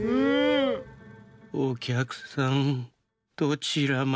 『おきゃくさんどちらまで？』。